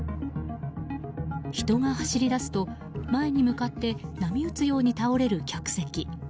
人が走り出すと、前に向かって波打つように倒れる客席。